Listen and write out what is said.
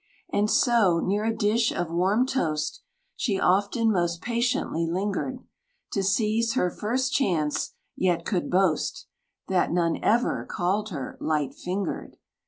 And so, near a dish of warm toast, She often most patiently lingered, To seize her first chance; yet, could boast That none ever called her light fingered.